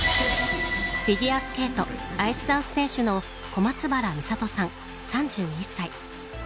フィギュアスケートアイスダンス選手の小松原美里さん３１歳。